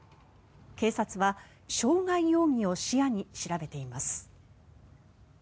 警察は傷害容疑を視野に調べています。